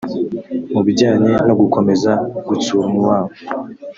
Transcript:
Mu bijyanye no gukomeza gutsura umubano